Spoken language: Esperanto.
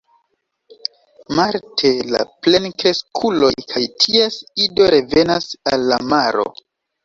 Marte la plenkreskuloj kaj ties ido revenas al la maro.